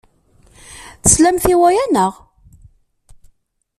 Teslamt i waya, naɣ?